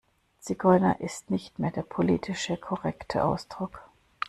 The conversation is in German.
Zigeuner ist nicht mehr der politische korrekte Ausdruck.